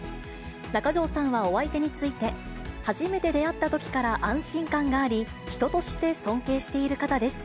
中条さんはお相手について、初めて出会ったときから安心感があり、人として尊敬している方です。